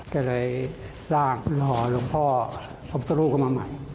ก็เลยสร้างหล่อหลวงพ่ออบสรุเข้ามาใหม่